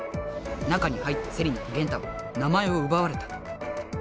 中に入ったセリナとゲンタは名前をうばわれた。